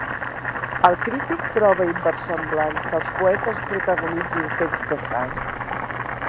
El crític troba inversemblant que els poetes protagonitzin fets de sang?